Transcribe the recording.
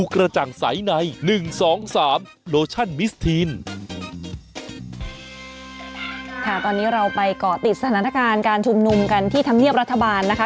ค่ะตอนนี้เราไปเกาะติดสถานการณ์การชุมนุมกันที่ธรรมเนียบรัฐบาลนะคะ